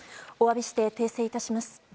お詫びして訂正致します。